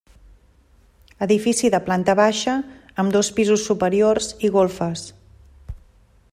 Edifici de planta baixa amb dos pisos superiors i golfes.